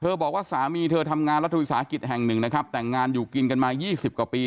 บอกว่าสามีเธอทำงานรัฐวิสาหกิจแห่งหนึ่งนะครับแต่งงานอยู่กินกันมา๒๐กว่าปี